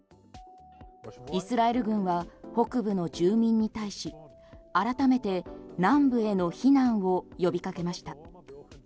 イスラエル軍は北部の住民に対し改めて南部への避難を呼びかけました。